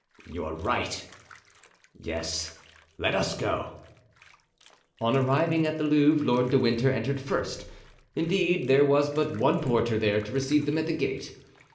"You're right; yes, let us go." On arriving at the Louvre Lord de Winter entered first; indeed, there was but one porter there to receive them at the gate.